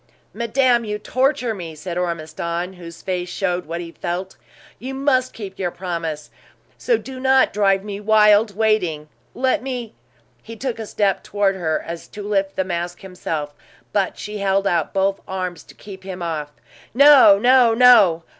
"Madame, you torture me!" said Ormiston, whose face showed what he felt. "You must keep your promise; so do not drive me wild waiting. Let me " He took a step toward her, as if to lift the mask himself, but she held out both arms to keep him off. "No, no, no!